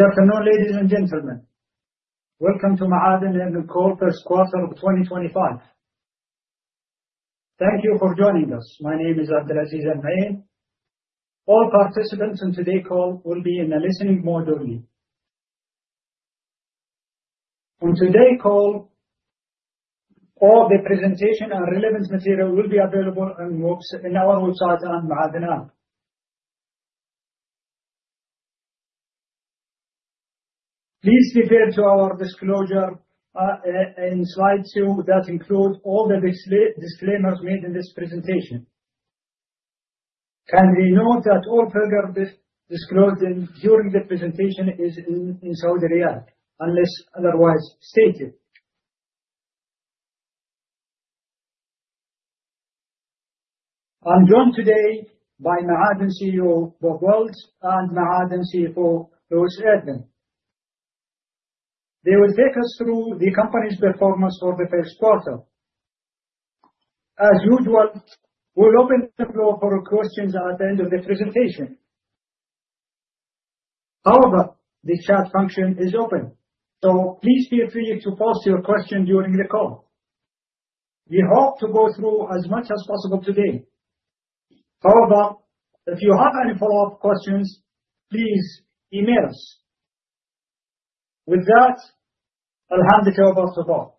Good afternoon, ladies and gentlemen. Welcome to Ma'aden earnings call for first quarter of 2025. Thank you for joining us. My name is Abdul Aziz Al-Rahien. All participants in today's call will be in a listening mode only. On today's call, all the presentation and relevant material will be available in our website and Ma'aden app. Please refer to our disclosure in slide two that includes all the disclaimers made in this presentation. Note that all further disclosure during the presentation is in SAR, unless otherwise stated. I'm joined today by Ma'aden CEO Bob Wilt and Ma'aden CFO Louis Irvine. They will take us through the company's performance for the first quarter. As usual, we'll open the floor for questions at the end of the presentation. However, the chat function is open, so please feel free to post your question during the call. We hope to go through as much as possible today. However, if you have any follow-up questions, please email us. With that,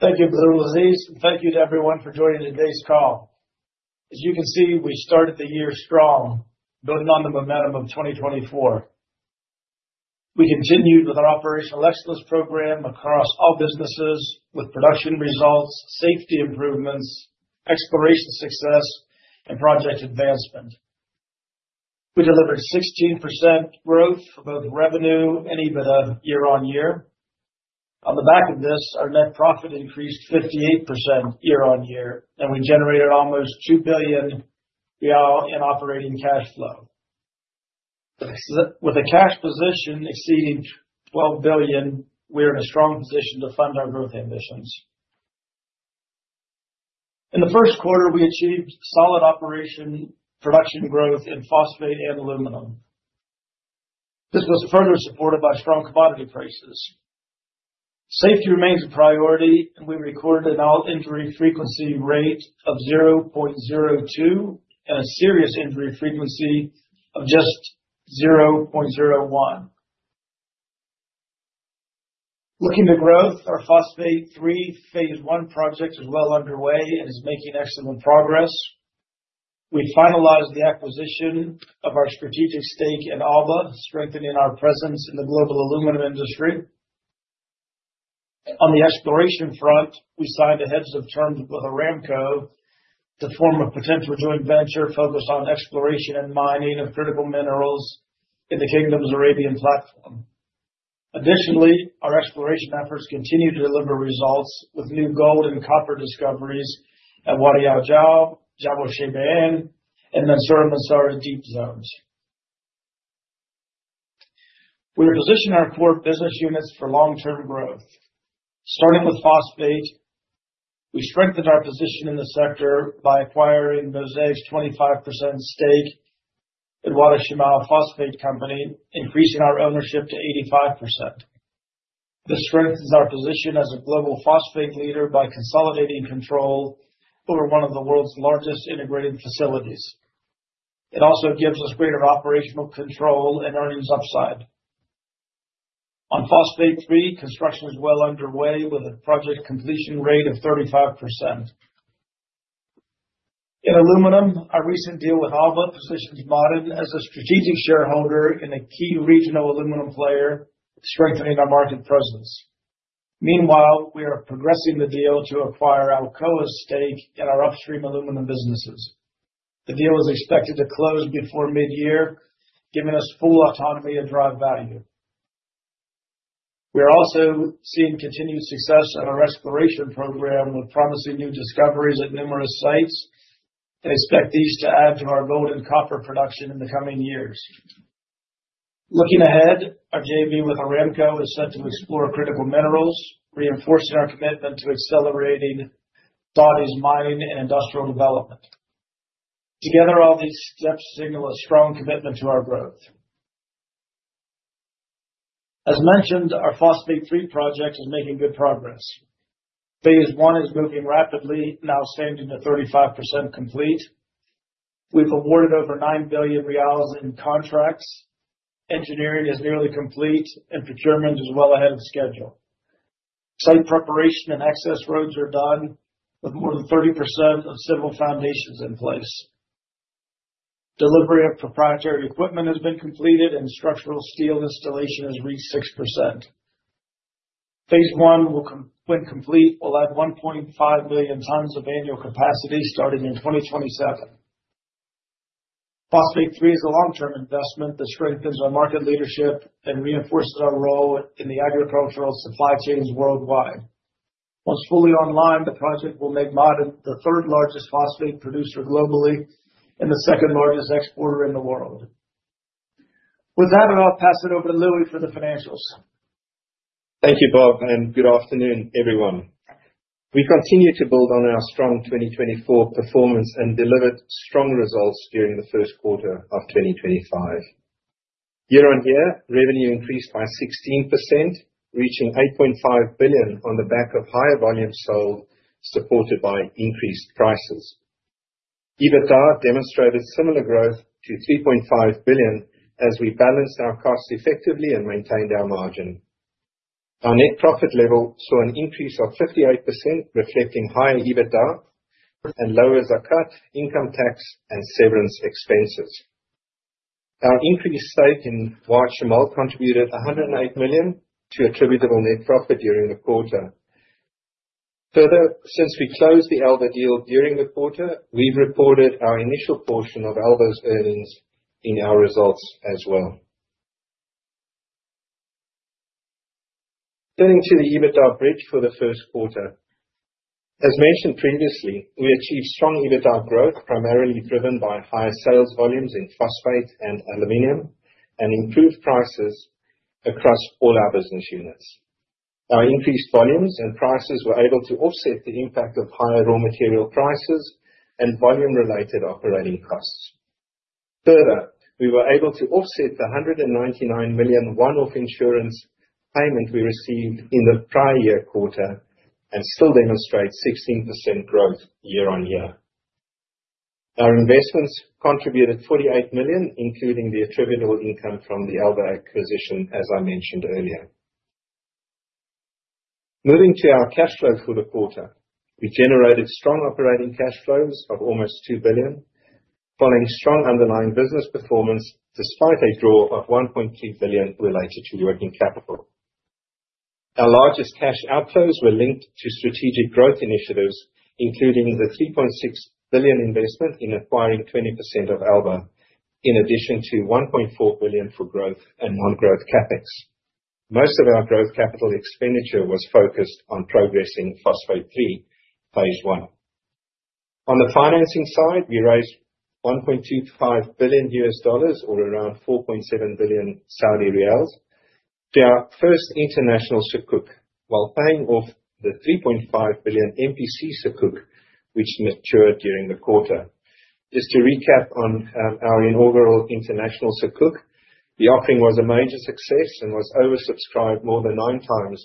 Thank you, Abdul Aziz Al-Rahien, and thank you to everyone for joining today's call. As you can see, we started the year strong, building on the momentum of 2024. We continued with our operational excellence program across all businesses with production results, safety improvements, exploration success, and project advancement. We delivered 16% growth for both revenue and EBITDA year-on-year. On the back of this, our net profit increased 58% year-on-year, and we generated almost 2 billion in operating cash flow. With a cash position exceeding 12 billion, we're in a strong position to fund our growth ambitions. In the first quarter, we achieved solid operational production growth in Phosphate and Aluminum. This was further supported by strong commodity prices. Safety remains a priority, and we recorded an All-Injury Frequency Rate of 0.02 and a Serious Injury Frequency of just 0.01. Looking at growth, our Phosphate 3 phase I project is well underway and is making excellent progress. We finalized the acquisition of our strategic stake in Alba, strengthening our presence in the global aluminum industry. On the exploration front, we signed a heads of terms with Aramco to form a potential joint venture focused on exploration and mining of critical minerals in the Arabian Platform. additionally, our exploration efforts continue to deliver results with new gold and copper discoveries at Wadi Al Jaww, Jabal Shayban, and the Mansourah-Massarah deep zones. We reposition our core business units for long-term growth. Starting with Phosphate, we strengthened our position in the sector by acquiring Mosaic's 25% stake in Wa'ad Al Shamal Phosphate Company, increasing our ownership to 85%. This strengthens our position as a global phosphate leader by consolidating control over one of the world's largest integrated facilities. It also gives us greater operational control and earnings upside. On Phosphate 3, construction is well underway with a project completion rate of 35%. In Aluminum, our recent deal with Alba positions Ma'aden as a strategic shareholder in a key regional aluminum player, strengthening our market presence. Meanwhile, we are progressing the deal to acquire Alcoa's stake in our upstream aluminum businesses. The deal is expected to close before mid-year, giving us full autonomy to drive value. We are also seeing continued success in our exploration program with promising new discoveries at numerous sites and expect these to add to our gold and copper production in the coming years. Looking ahead, our JV with Aramco is set to explore critical minerals, reinforcing our commitment to accelerating Saudi's mining and industrial development. Together, all these steps signal a strong commitment to our growth. As mentioned, our Phosphate 3 project is making good progress. Phase I is moving rapidly, now standing at 35% complete. We've awarded over SAR 9 billion in contracts. Engineering is nearly complete, and procurement is well ahead of schedule. Site preparation and access roads are done with more than 30% of civil foundations in place. Delivery of proprietary equipment has been completed and structural steel installation has reached 6%. Phase I will, when complete, add 1.5 million tons of annual capacity starting in 2027. Phosphate 3 is a long-term investment that strengthens our market leadership and reinforces our role in the agricultural supply chains worldwide. Once fully online, the project will make Ma'aden the third-largest phosphate producer globally and the second-largest exporter in the world. With that, I'll pass it over to Louis for the financials. Thank you, Bob, and good afternoon, everyone. We continue to build on our strong 2024 performance and delivered strong results during the first quarter of 2025. Year on year, revenue increased by 16%, reaching 8.5 billion on the back of higher volumes sold, supported by increased prices. EBITDA demonstrated similar growth to 3.5 billion as we balanced our costs effectively and maintained our margin. Our net profit level saw an increase of 58%, reflecting higher EBITDA and lower Zakat, income tax, and severance expenses. Our increased stake in Wa'ad Al Shamal contributed 108 million to attributable net profit during the quarter. Further, since we closed the Alba deal during the quarter, we've reported our initial portion of Alba's earnings in our results as well. Turning to the EBITDA bridge for the first quarter. As mentioned previously, we achieved strong EBITDA growth, primarily driven by higher sales volumes in Phosphate and Aluminum and improved prices across all our business units. Our increased volumes and prices were able to offset the impact of higher raw material prices and volume-related operating costs. Further, we were able to offset the 199 million one-off insurance payment we received in the prior year quarter and still demonstrate 16% growth year-on-year. Our investments contributed 48 million, including the attributable income from the Alba acquisition, as I mentioned earlier. Moving to our cash flow for the quarter. We generated strong operating cash flows of almost 2 billion following strong underlying business performance despite a draw of 1.2 billion related to working capital. Our largest cash outflows were linked to strategic growth initiatives, including the 3.6 billion investment in acquiring 20% of Alba, in addition to 1.4 billion for growth and non-growth CapEx. Most of our growth capital expenditure was focused on progressing Phosphate 3 phase I. On the financing side, we raised $1.25 billion, or around SAR 4.7 billion, to our first international sukuk while paying off the 3.5 billion MPC sukuk which matured during the quarter. Just to recap on our inaugural international sukuk, the offering was a major success and was oversubscribed more than 9x,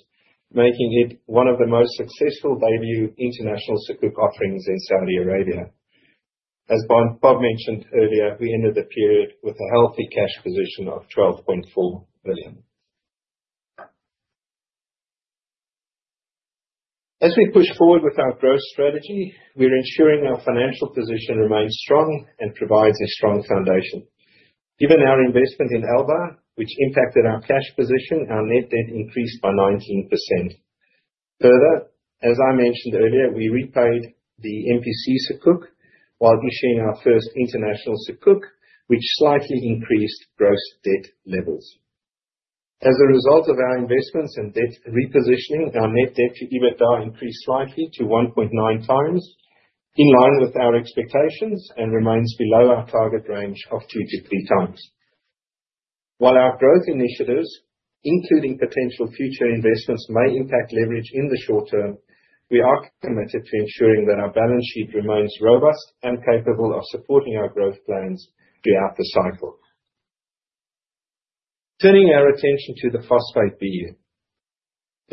making it one of the most successful debut international sukuk offerings in Saudi Arabia. As Bob mentioned earlier, we ended the period with a healthy cash position of SAR 12.4 billion. As we push forward with our growth strategy, we are ensuring our financial position remains strong and provides a strong foundation. Given our investment in Alba, which impacted our cash position, our net debt increased by 19%. Further, as I mentioned earlier, we repaid the MPC Sukuk while issuing our first international sukuk, which slightly increased gross debt levels. As a result of our investments and debt repositioning, our net debt to EBITDA increased slightly to 1.9x, in line with our expectations, and remains below our target range of 2x-3x. While our growth initiatives, including potential future investments, may impact leverage in the short term, we are committed to ensuring that our balance sheet remains robust and capable of supporting our growth plans throughout the cycle. Turning our attention to the Phosphate BU.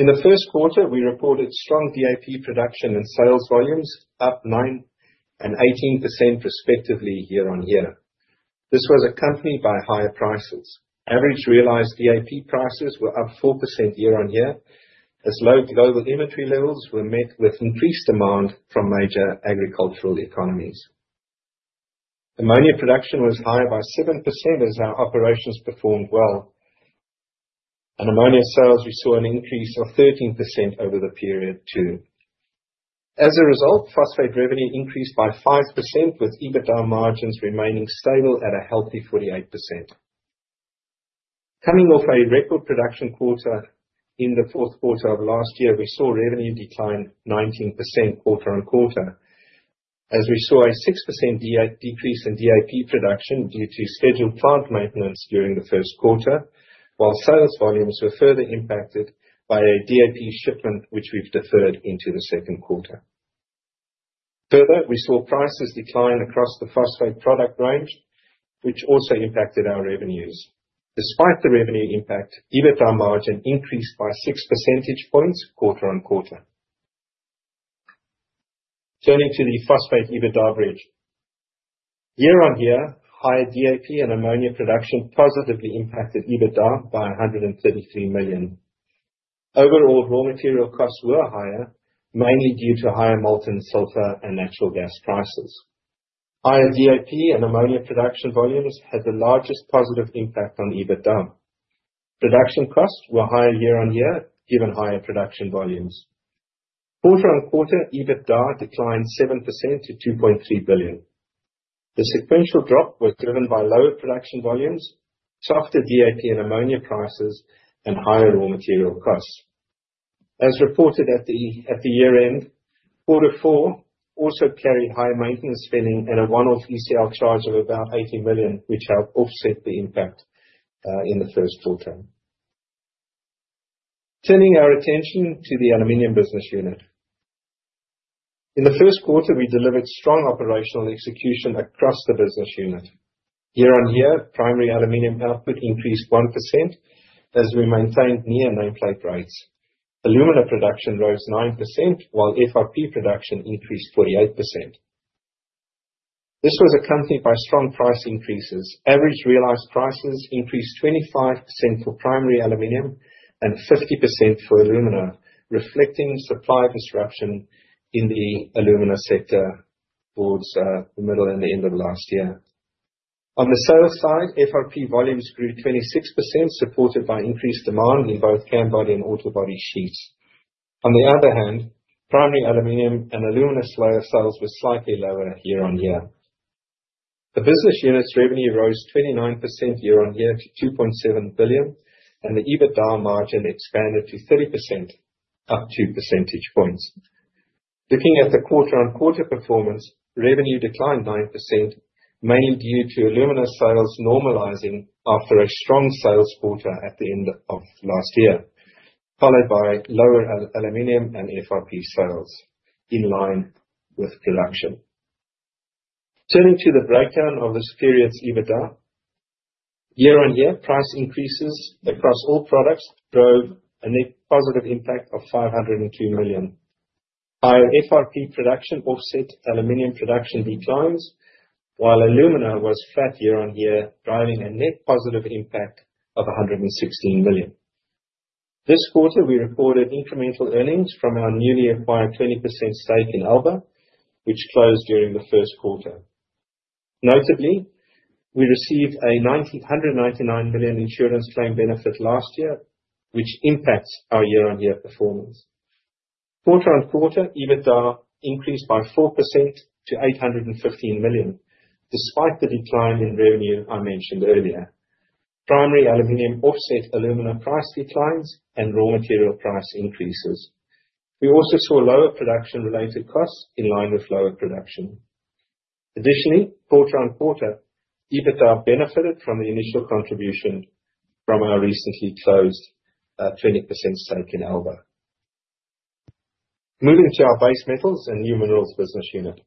In the first quarter, we reported strong DAP production and sales volumes up 9% and 18% respectively year-on-year. This was accompanied by higher prices. Average realized DAP prices were up 4% year-on-year, as low global inventory levels were met with increased demand from major agricultural economies. Ammonia production was higher by 7% as our operations performed well. In ammonia sales, we saw an increase of 13% over the period too. As a result, Phosphate revenue increased by 5%, with EBITDA margins remaining stable at a healthy 48%. Coming off a record production quarter in the fourth quarter of last year, we saw revenue decline 19% quarter-over-quarter as we saw a 6% decrease in DAP production due to scheduled plant maintenance during the first quarter, while sales volumes were further impacted by a DAP shipment which we've deferred into the second quarter. Further, we saw prices decline across the phosphate product range, which also impacted our revenues. Despite the revenue impact, EBITDA margin increased by 6 percentage points quarter-over-quarter. Turning to the Phosphate EBITDA bridge. Year-over-year, higher DAP and ammonia production positively impacted EBITDA by 133 million. Overall, raw material costs were higher, mainly due to higher molten sulfur and natural gas prices. Higher DAP and ammonia production volumes had the largest positive impact on EBITDA. Production costs were higher year-over-year, given higher production volumes. Quarter-on-quarter, EBITDA declined 7% to 2.3 billion. The sequential drop was driven by lower production volumes, softer DAP and ammonia prices, and higher raw material costs. As reported at the year-end, quarter four also carried high maintenance spending and a one-off ECL charge of about 80 million, which helped offset the impact in the first quarter. Turning our attention to the Aluminum business unit. In the first quarter, we delivered strong operational execution across the business unit. Year-on-year, primary Aluminum output increased 1% as we maintained near nameplate rates. Alumina production rose 9%, while FRP production increased 48%. This was accompanied by strong price increases. Average realized prices increased 25% for primary aluminum and 50% for alumina, reflecting supply disruption in the alumina sector towards the middle and the end of last year. On the sales side, FRP volumes grew 26%, supported by increased demand in both can body and autobody sheets. On the other hand, primary aluminum and alumina slab sales were slightly lower year-on-year. The business unit's revenue rose 29% year-on-year to 2.7 billion, and the EBITDA margin expanded to 30%, up t2 percentage points. Looking at the quarter-on-quarter performance, revenue declined 9%, mainly due to alumina sales normalizing after a strong sales quarter at the end of last year, followed by lower aluminum and FRP sales in line with production. Turning to the breakdown of this period's EBITDA. Year-on-year price increases across all products drove a net positive impact of 502 million, while FRP production offset aluminum production declines, while alumina was flat year-on-year, driving a net positive impact of 116 million. This quarter, we reported incremental earnings from our newly acquired 20% stake in Alba, which closed during the first quarter. Notably, we received a 199 million insurance claim benefit last year, which impacts our year-over-year performance. Quarter-over-quarter, EBITDA increased by 4% to 815 million, despite the decline in revenue I mentioned earlier. Primary aluminum offset alumina price declines and raw material price increases. We also saw lower production-related costs in line with lower production. Additionally, quarter-over-quarter, EBITDA benefited from the initial contribution from our recently closed 20% stake in Alba. Moving to our Base Metals & New Minerals business unit.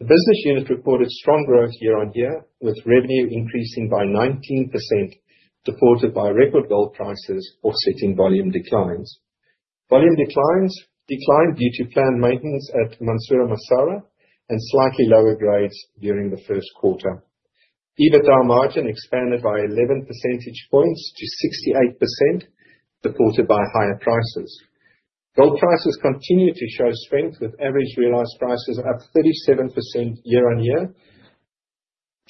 The business unit reported strong growth year-over-year, with revenue increasing by 19%, supported by record gold prices offsetting volume declines. Volume declines due to planned maintenance at Mansourah-Massarah and slightly lower grades during the first quarter. EBITDA margin expanded by 11 percentage points to 68%, supported by higher prices. Gold prices continued to show strength, with average realized prices up 37% year-on-year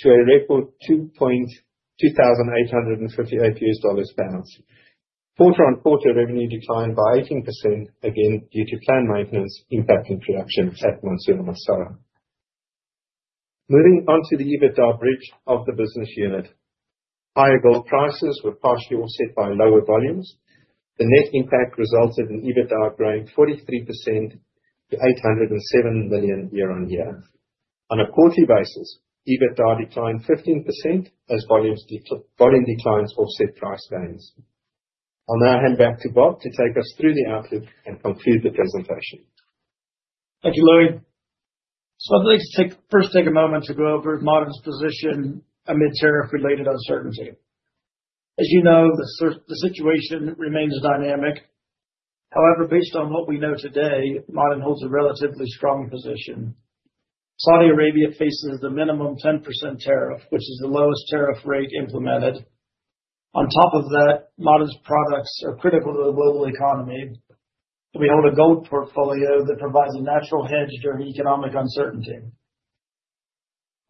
to a record $2,858/oz. Quarter-on-quarter revenue declined by 18%, again due to planned maintenance impacting production at Mansourah-Massarah. Moving on to the EBITDA bridge of the business unit. Higher gold prices were partially offset by lower volumes. The net impact resulted in EBITDA growing 43% to SAR 807 million year-on-year. On a quarterly basis, EBITDA declined 15% as volume declines offset price gains. I'll now hand back to Bob to take us through the outlook and conclude the presentation. Thank you, Louis. I'd like to first take a moment to go over Ma'aden's position amid tariff-related uncertainty. As you know, the situation remains dynamic. However, based on what we know today, Ma'aden holds a relatively strong position. Saudi Arabia faces the minimum 10% tariff, which is the lowest tariff rate implemented. On top of that, Ma'aden's products are critical to the global economy, and we hold a gold portfolio that provides a natural hedge during economic uncertainty.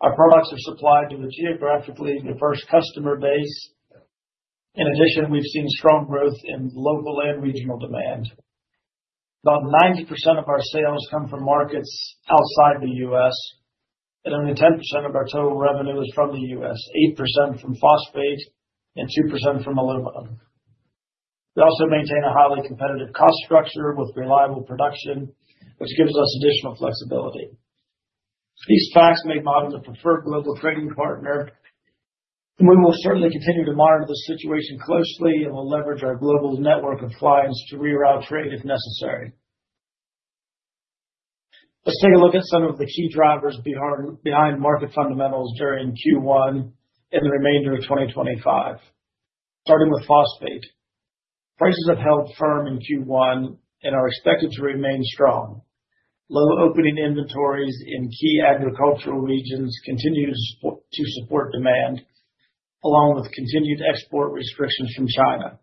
Our products are supplied to a geographically diverse customer base. In addition, we've seen strong growth in local and regional demand. About 90% of our sales come from markets outside the U.S., and only 10% of our total revenue is from the U.S., 8% from Phosphate and 2% from Aluminum. We also maintain a highly competitive cost structure with reliable production, which gives us additional flexibility. These facts make Ma'aden the preferred global trading partner. We will certainly continue to monitor the situation closely, and we'll leverage our global network of clients to reroute trade if necessary. Let's take a look at some of the key drivers behind market fundamentals during Q1 and the remainder of 2025. Starting with Phosphate. Prices have held firm in Q1 and are expected to remain strong. Low opening inventories in key agricultural regions continue to support demand, along with continued export restrictions from China.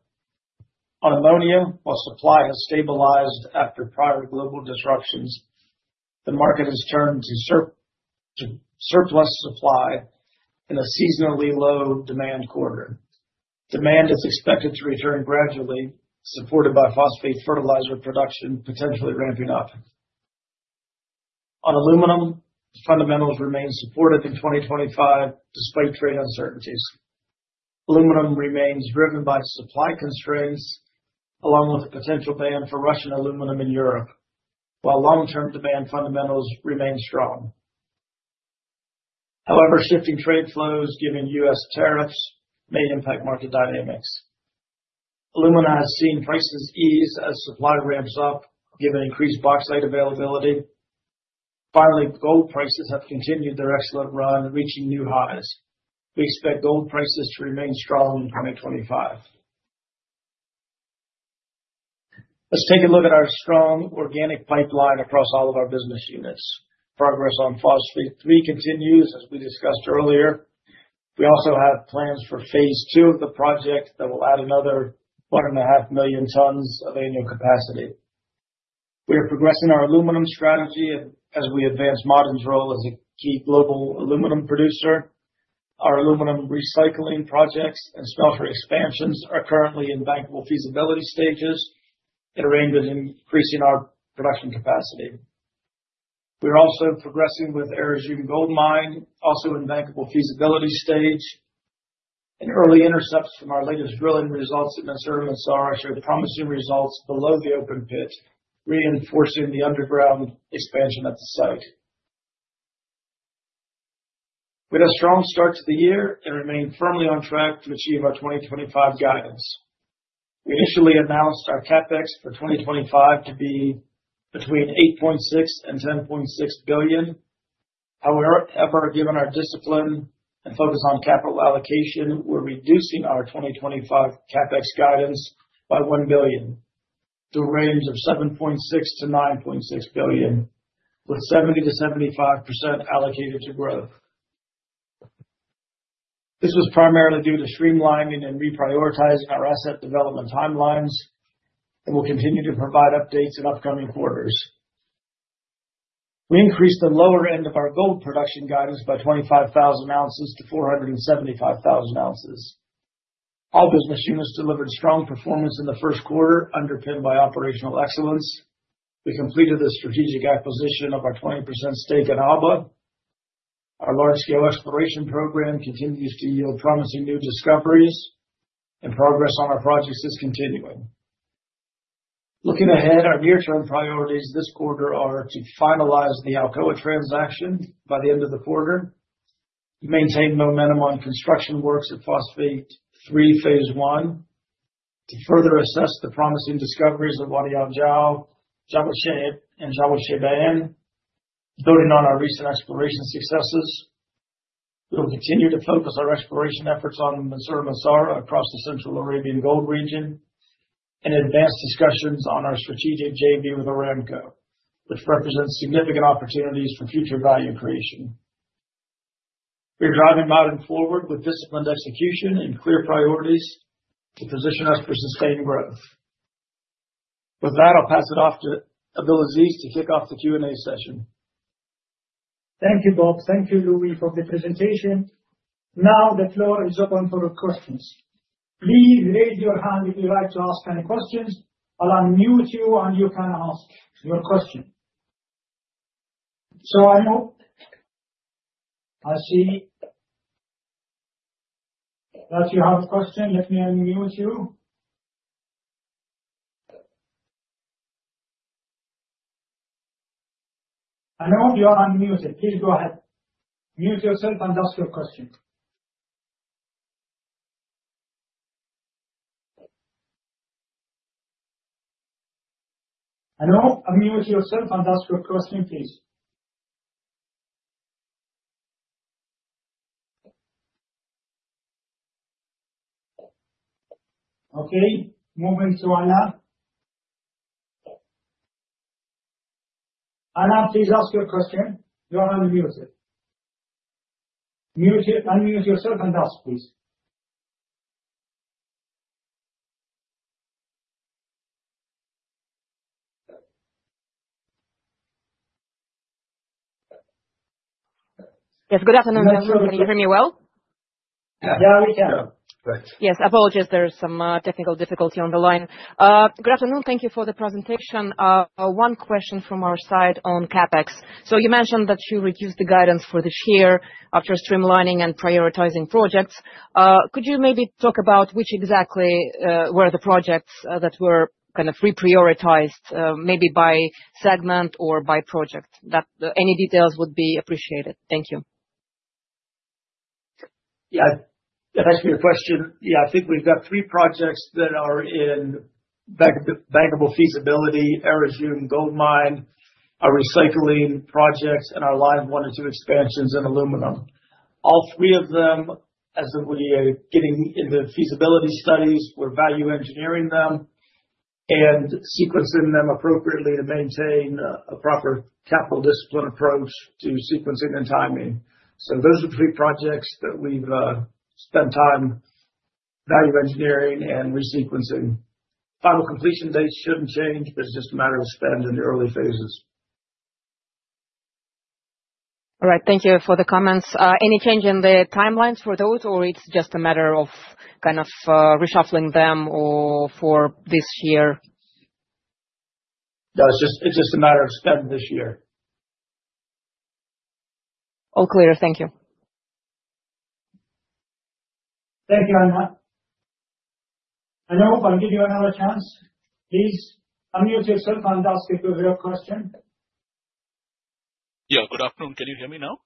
On ammonia, while supply has stabilized after prior global disruptions, the market has turned to surplus supply in a seasonally low demand quarter. Demand is expected to return gradually, supported by phosphate fertilizer production potentially ramping up. On Aluminum, the fundamentals remain supported in 2025 despite trade uncertainties. Aluminum remains driven by supply constraints, along with a potential ban for Russian aluminum in Europe, while long-term demand fundamentals remain strong. However, shifting trade flows, given U.S. tariffs may impact market dynamics. Alumina has seen prices ease as supply ramps up given increased bauxite availability. Finally, gold prices have continued their excellent run, reaching new highs. We expect gold prices to remain strong in 2025. Let's take a look at our strong organic pipeline across all of our business units. Progress on Phosphate 3 continues, as we discussed earlier. We also have plans for phase II of the project that will add another 1.5 million tons of annual capacity. We are progressing our Aluminum strategy as we advance Ma'aden's role as a key global aluminum producer. Our aluminum recycling projects and smelter expansions are currently in bankable feasibility stages that are aimed at increasing our production capacity. We are also progressing with Ar Rjum Gold Mine, also in bankable feasibility stage. Early intercepts from our latest drilling results at Mansourah-Massarah showed promising results below the open pit, reinforcing the underground expansion at the site. With a strong start to the year and remain firmly on track to achieve our 2025 guidance. We initially announced our CapEx for 2025 to be between 8.6 billion and 10.6 billion. However, given our discipline and focus on capital allocation, we're reducing our 2025 CapEx guidance by 1 billion to a range of 7.6 billion-9.6 billion, with 70%-75% allocated to growth. This was primarily due to streamlining and reprioritizing our asset development timelines, and we'll continue to provide updates in upcoming quarters. We increased the lower end of our gold production guidance by 25,000 oz-475,000oz. All business units delivered strong performance in the first quarter, underpinned by operational excellence. We completed the strategic acquisition of our 20% stake at Alba. Our large-scale exploration program continues to yield promising new discoveries, and progress on our projects is continuing. Looking ahead, our near-term priorities this quarter are to finalize the Alcoa transaction by the end of the quarter, to maintain momentum on construction works at Phosphate 3 phase I, to further assess the promising discoveries of Wadi Al Jaww and Jabal Shayban. Building on our recent exploration successes, we will continue to focus our exploration efforts on Mansourah-Massarah across the Central Arabian Gold Region and advance discussions on our strategic JV with Aramco, which represents significant opportunities for future value creation. We are driving Ma'aden forward with disciplined execution and clear priorities to position us for sustained growth. With that, I'll pass it off to Abdul Aziz to kick off the Q&A session. Thank you, Bob. Thank you, Louis, for the presentation. Now the floor is open for questions. Please raise your hand if you would like to ask any questions. I'll unmute you, and you can ask your question. Anup, I see that you have a question. Let me unmute you. Anup, you are unmuted. Please go ahead. Mute yourself and ask your question. Anup, unmute yourself and ask your question, please. Okay, moving to Anna. Anna, please ask your question. You are unmuted. Unmute yourself and ask, please. Yes. Good afternoon. Can you hear me well? Yeah, we can. Yeah. Great. Yes. Apologies. There is some technical difficulty on the line. Good afternoon. Thank you for the presentation. One question from our side on CapEx. You mentioned that you reduced the guidance for this year after streamlining and prioritizing projects. Could you maybe talk about which exactly were the projects that were kind of reprioritized, maybe by segment or by project? Any details would be appreciated. Thank you. Yeah. Thanks for your question. Yeah. I think we've got three projects that are in bankable feasibility, Ar Rjum Gold Mine, our recycling projects, and our Line 1 and 2 expansions in Aluminum. All three of them, as we are getting into the feasibility studies, we're value engineering them and sequencing them appropriately to maintain a proper capital discipline approach to sequencing and timing. Those are three projects that we've spent time value engineering and resequencing. Final completion dates shouldn't change, but it's just a matter of spend in the early phases. All right. Thank you for the comments. Any change in the timelines for those, or it's just a matter of kind of reshuffling them or for this year? No, it's just a matter of spend this year. All clear. Thank you. Thank you, Anna. Anup, I'll give you another chance. Please unmute yourself and ask your real question. Yeah. Good afternoon. Can you hear me now?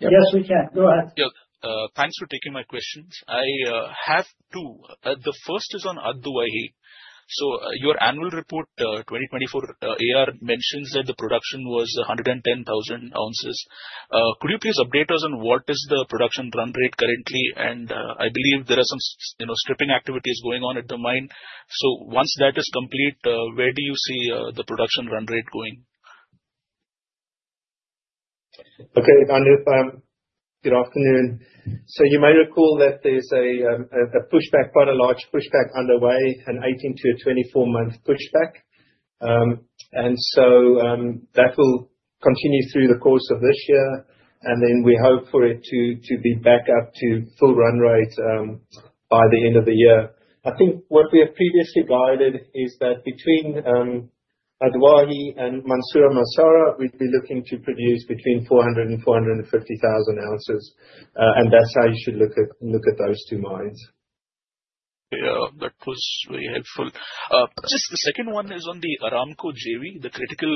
Yes, we can. Go ahead. Yeah. Thanks for taking my questions. I have two. The first is on Ad Duwayhi. Your annual report, 2024, AR mentions that the production was 110,000 oz. Could you please update us on what is the production run rate currently? I believe there are some stripping activities going on at the mine. Once that is complete, where do you see the production run rate going? Anup, good afternoon. You may recall that there's a pushback, quite a large pushback underway, an 18-24-month pushback. That will continue through the course of this year, and then we hope for it to be back up to full run rate by the end of the year. I think what we have previously guided is that between Ad Duwayhi and Mansourah-Massarah, we'd be looking to produce between 400,000 oz and 450,000 oz. That's how you should look at those two mines. Yeah, that was very helpful. Just the second one is on the Aramco JV, the critical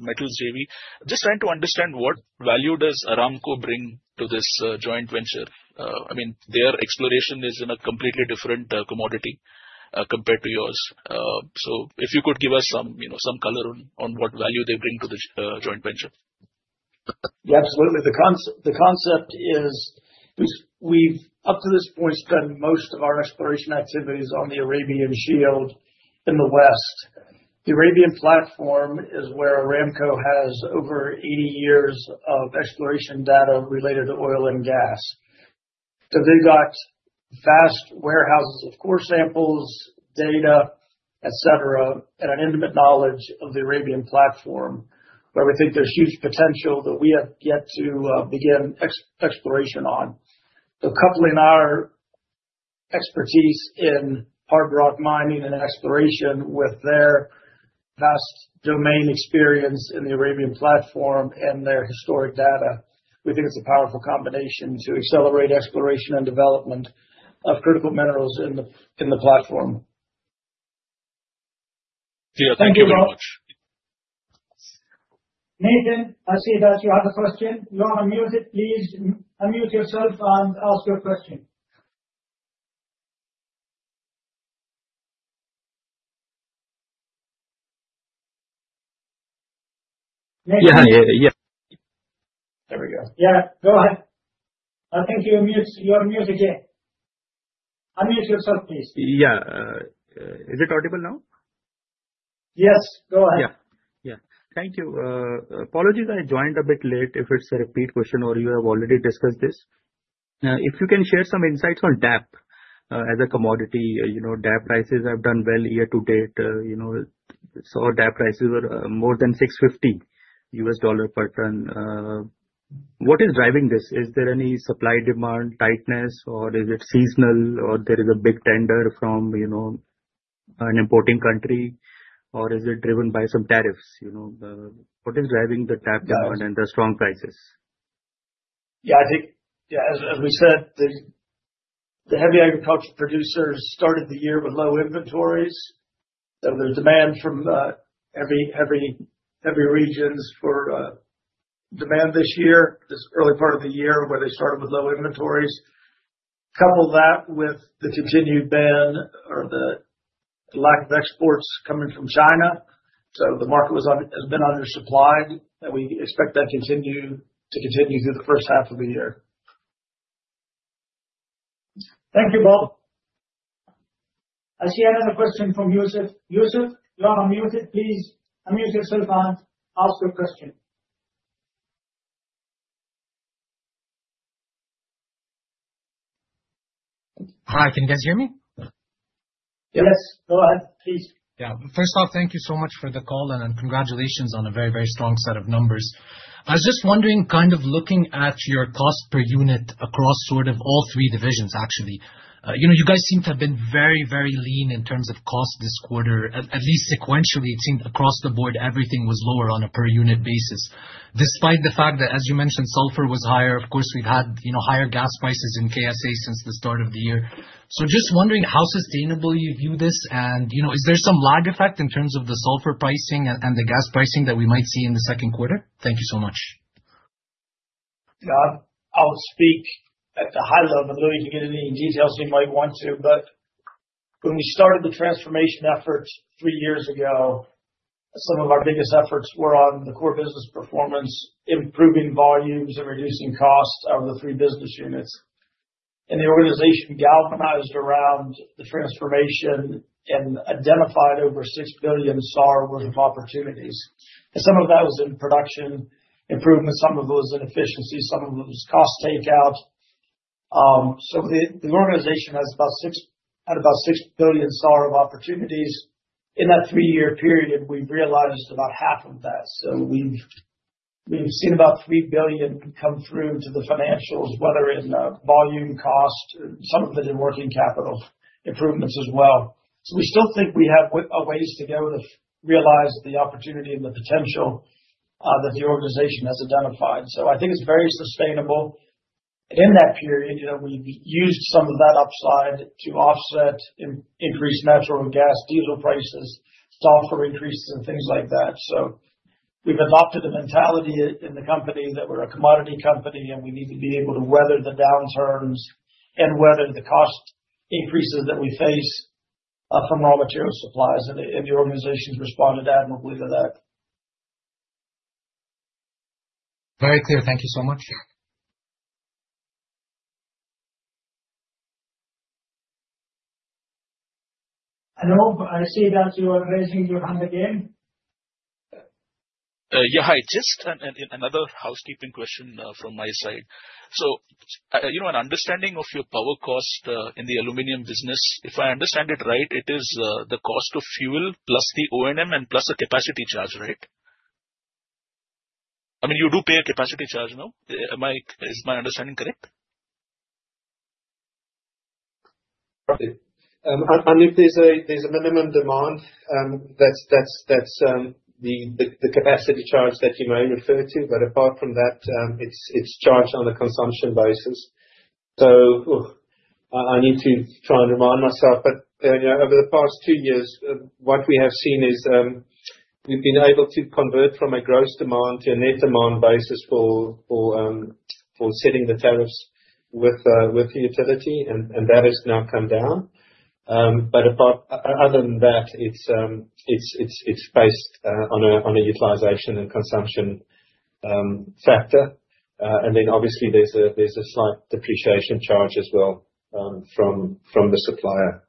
metals JV. Just trying to understand what value does Aramco bring to this joint venture? I mean, their exploration is in a completely different commodity compared to yours. If you could give us some, you know, some color on what value they bring to the joint venture. Yeah, absolutely. The concept is we've up to this point spent most of our exploration activities on the Arabian Shield in the west. Arabian Platform is where Aramco has over 80 years of exploration data related to oil and gas. They've got vast warehouses of core samples, data, et cetera, and an intimate knowledge of Arabian Platform, where we think there's huge potential that we have yet to begin exploration on. Coupling our expertise in hard rock mining and exploration with their vast domain experience in Arabian Platform and their historic data, we think it's a powerful combination to accelerate exploration and development of critical minerals in the platform. Yeah. Thank you very much. Nathan, I see that you have a question. You are unmuted. Please unmute yourself and ask your question. Nathan. Yeah. Yeah. There we go. Yeah, go ahead. I think you're mute. You are muted, yeah. Unmute yourself, please. Yeah. Is it audible now? Yes, go ahead. Thank you. Apologies I joined a bit late, if it's a repeat question or you have already discussed this. If you can share some insights on DAP as a commodity. You know, DAP prices have done well year to date. You know, saw DAP prices were more than $650 per ton. What is driving this? Is there any supply demand tightness, or is it seasonal, or there is a big tender from, you know, an importing country, or is it driven by some tariffs? You know, what is driving the DAP demand? Yes. the strong prices? I think as we said, the heavy agriculture producers started the year with low inventories. The demand from every region for demand this year, this early part of the year where they started with low inventories, couple that with the continued ban or the lack of exports coming from China. The market has been undersupplied, and we expect that to continue through the first half of the year. Thank you, Bob. I see another question from Yusef. Yusef, you are unmuted. Please unmute yourself and ask your question. Hi. Can you guys hear me? Yes, go ahead please. Yeah. First off, thank you so much for the call, and then congratulations on a very, very strong set of numbers. I was just wondering, kind of looking at your cost per unit across sort of all three divisions, actually. You know, you guys seem to have been very, very lean in terms of cost this quarter. At least sequentially it seemed across the board everything was lower on a per unit basis, despite the fact that, as you mentioned, sulfur was higher. Of course, we've had, you know, higher gas prices in KSA since the start of the year. Just wondering how sustainable you view this and, you know, is there some lag effect in terms of the sulfur pricing and the gas pricing that we might see in the second quarter? Thank you so much. I'll speak at the high level. Louis, you can get into any details you might want to, but when we started the transformation effort three years ago, some of our biggest efforts were on the core business performance, improving volumes and reducing costs of the three business units. The organization galvanized around the transformation and identified over 6 billion SAR worth of opportunities. Some of that was in production improvement, some of it was in efficiency, some of it was cost takeout. The organization had about 6 billion SAR of opportunities. In that three-year period, we've realized about half of that. We've seen about 3 billion come through to the financials, whether in volume cost or some of it in working capital improvements as well. We still think we have a ways to go to realize the opportunity and the potential that the organization has identified. I think it's very sustainable. In that period, you know, we've used some of that upside to offset increased natural gas, diesel prices, software increases, and things like that. We've adopted a mentality in the company that we're a commodity company, and we need to be able to weather the downturns and weather the cost increases that we face from raw material suppliers and the organization has responded admirably to that. Very clear. Thank you so much. Anup, I see that you are raising your hand again. Yeah. Hi. Just another housekeeping question from my side. You know, an understanding of your power cost in the Aluminum business. If I understand it right, it is the cost of fuel plus the O&M and plus the capacity charge, right? I mean, you do pay a capacity charge, no? Is my understanding correct? If there's a minimum demand, that's the capacity charge that you may refer to. Apart from that, it's charged on a consumption basis. I need to try and remind myself. You know, over the past two years, what we have seen is we've been able to convert from a gross demand to a net demand basis for setting the tariffs with the utility, and that has now come down. Other than that, it's based on a utilization and consumption factor. Then obviously there's a slight depreciation charge as well, from the supplier.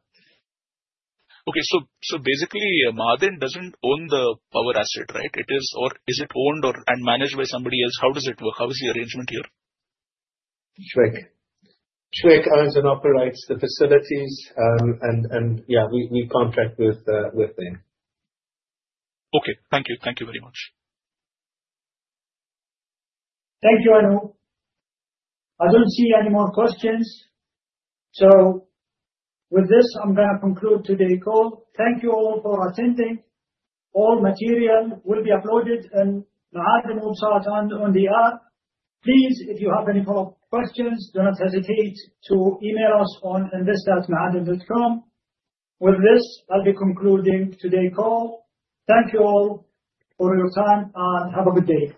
Basically, Ma'aden doesn't own the power asset, right? Or is it owned and managed by somebody else? How does it work? How is the arrangement here? SUEK. SUEK owns and operates the facilities. Yeah, we contract with them. Okay. Thank you. Thank you very much. Thank you, Anup. I don't see any more questions. With this, I'm gonna conclude today call. Thank you all for attending. All material will be uploaded in Ma'aden website and on the app. Please, if you have any follow-up questions, do not hesitate to email us on invest@maaden.com.sa. With this, I'll be concluding today call. Thank you all for your time, and have a good day.